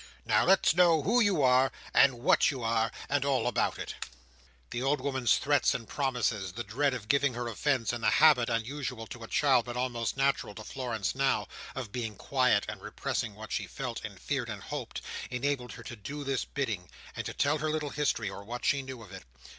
Now let's know who you are, and what you are, and all about it." The old woman's threats and promises; the dread of giving her offence; and the habit, unusual to a child, but almost natural to Florence now, of being quiet, and repressing what she felt, and feared, and hoped; enabled her to do this bidding, and to tell her little history, or what she knew of it.